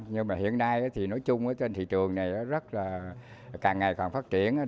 nhưng hiện nay trên thị trường này càng ngày càng phát triển